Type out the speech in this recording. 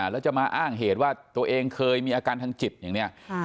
แล้วจะมาอ้างเหตุว่าตัวเองเคยมีอาการทางจิตอย่างนี้